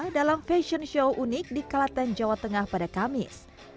dalam fashion show unik di kelaten jawa tengah pada kamis